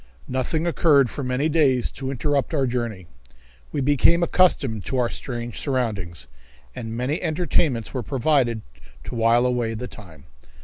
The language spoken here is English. Nothing occurred for many days to interrupt our journey. We became accustomed to our strange surroundings, and many entertainments were provided to while away the time.